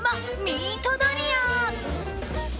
ミートドリア。